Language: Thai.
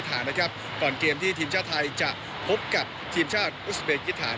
ทางประเทศอาลาฮิวน์อุศเบกกิษฐาน